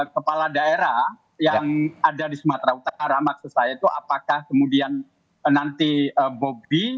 kepala daerah yang ada di sumatera utara maksud saya itu apakah kemudian nanti bobi